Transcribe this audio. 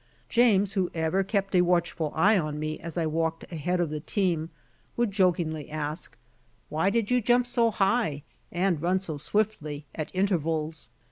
James, who ever kept a watchful eye on me as I walked ahead of the team, would jokingly ask, "Why did you jump so high and run so swiftly at intervals?"